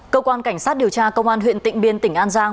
cơ quan cảnh sát điều tra công an huyện tịnh biên tỉnh an giang